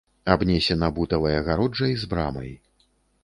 Абнесена бутавай агароджай з брамай.